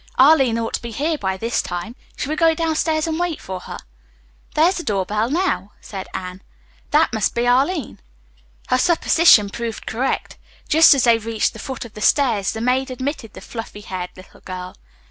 Arline ought to be here by this time. Shall we go downstairs and wait for her?" "There's the door bell now," said Anne. "That must be Arline." Her supposition proved correct. Just as they reached the foot of the stairs the maid admitted the fluffy haired little girl.